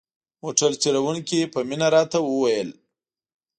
موټر چلوونکي په مینه راته وویل.